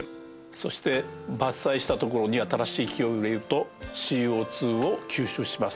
そして伐採した所に新しい木を植えるとＣＯ２を吸収します。